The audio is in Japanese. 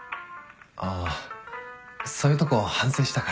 ああそういうとこ反省したから。